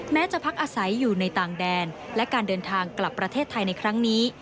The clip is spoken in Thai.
จะพักอาศัยอยู่ในต่างแดนและการเดินทางกลับประเทศไทยในครั้งนี้